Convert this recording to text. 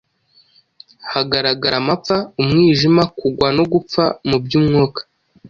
hagaragara amapfa, umwijima, kugwa no gupfa mu by’umwuka.